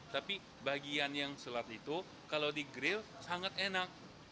tapi bagian yang selat itu kalau di grill sangat enak